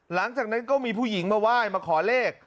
หลังจากนั้นก็มีผู้หญิงมาไหว้มาขอเลข